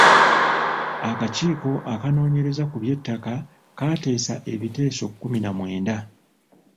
Akakiiko akanoonyereza ku by'ettaka kaateesa ebiteeso kkumi na mwenda.